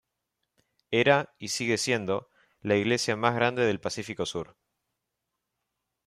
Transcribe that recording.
Era, y sigue siendo, la iglesia más grande del Pacífico Sur.